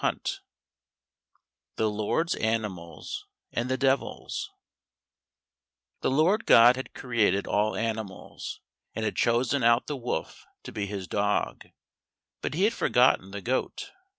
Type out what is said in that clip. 148 The Lord's Animals and the Devil's The Lord God had created all animals, and had chosen out the wolf to be his dog, but he had forgotten the goat.